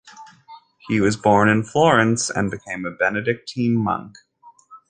He was born in Florence and became a Benedictine monk.